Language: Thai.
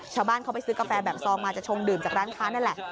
ชาวบ้านเขาไปซื้อกาแฟแบบซองมาจะชงดื่มจากร้านค้านั่นแหละ